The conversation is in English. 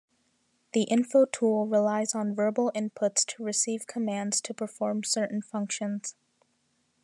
The Info Tool relies on verbal inputs to receive commands to perform certain functions.